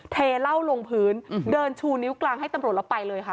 เทเหล้าลงพื้นเดินชูนิ้วกลางให้ตำรวจแล้วไปเลยค่ะ